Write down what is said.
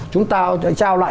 chúng ta trao lại